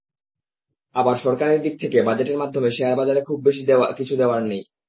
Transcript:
আবার সরকারের দিক থেকে বাজেটের মাধ্যমে শেয়ারবাজারে খুব বেশি কিছু দেওয়ারও নেই।